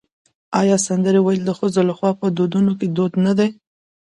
آیا سندرې ویل د ښځو لخوا په ودونو کې دود نه دی؟